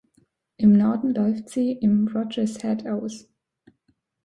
Im Norden läuft sie im Rogers Head aus.